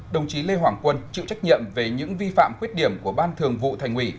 đồng chí lê hoàng quân chịu trách nhiệm về những vi phạm khuyết điểm của ban thường vụ thành ủy